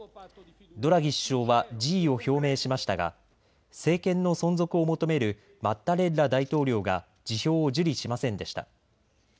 ドラギ首相は辞意を表明しましたが、政権の存続を求めるマッタレッラ大統領が辞表を受理しませんでした。